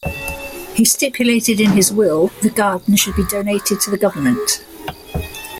He stipulated in his will the garden should be donated to the government.